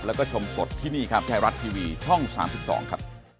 แล้วก็ชมสดที่นี่ครับไทยรัฐทีวีช่อง๓๒ครับ